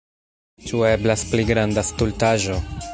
Ĉu eblas pli granda stultaĵo?